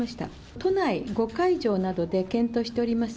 都内５会場などで検討しております、